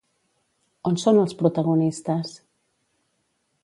On son els protagonistes?